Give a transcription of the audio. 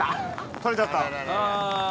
◆取れちゃった？